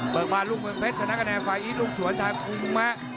เปิดมาลุงเมืองเพชรชนะกระแนนไฟอีสลุงสวรรค์ชายบังคุณมะ